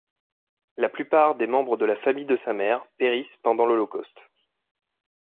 La plupart des membres de la famille de sa mère périssent pendant l'Holocauste.